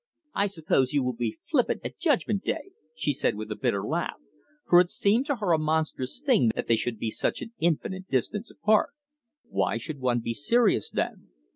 "I suppose you will be flippant at Judgment Day," she said with a bitter laugh, for it seemed to her a monstrous thing that they should be such an infinite distance apart. "Why should one be serious then?